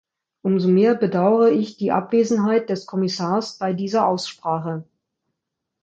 Umso mehr bedauere ich die Abwesenheit des Kommissars bei dieser Aussprache.